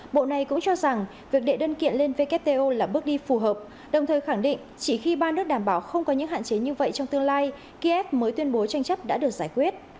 bộ này cũng cho rằng việc đệ đơn kiện lên wto là bước đi phù hợp đồng thời khẳng định chỉ khi ba nước đảm bảo không có những hạn chế như vậy trong tương lai kiev mới tuyên bố tranh chấp đã được giải quyết